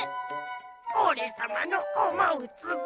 おれさまのおもうつぼ！